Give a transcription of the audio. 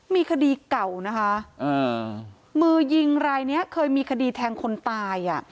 มีคดีเก่านะคะมือยิงรายนี้เคยมีคดีแทงคนตายอ่ะ